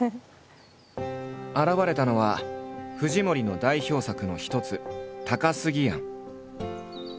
現れたのは藤森の代表作の一つ「高過庵」。